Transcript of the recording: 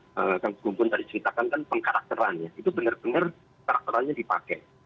jadi mereka itu kalau di kang gunggun tadi ceritakan kan pengkarakterannya itu bener bener karakterannya dipakai